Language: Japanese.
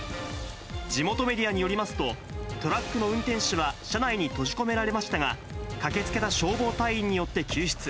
地元メディアによりますと、トラックの運転手は車内に閉じ込められましたが、駆けつけた消防隊員によって救出。